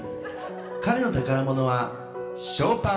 ［彼の宝物はショーパン］